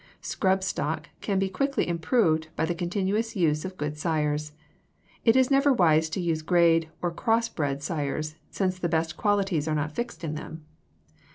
Scrub stock can be quickly improved by the continuous use of good sires. It is never wise to use grade, or cross bred, sires, since the best qualities are not fixed in them.